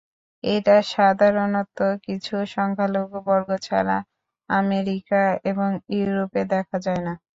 এটা সাধারণত কিছু সংখ্যালঘু বর্গ ছাড়া আমেরিকা এবং ইউরোপে দেখা যায়না।